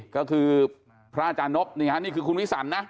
ก็คือพระอาจารย์นบนี่คือคุณวิสันนะ